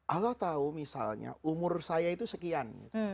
allah tahu misalnya umur saya itu sekian